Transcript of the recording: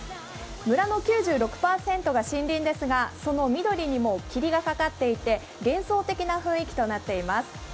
村の９６％が森林ですがその緑にも霧がかかっていて幻想的な雰囲気となっています。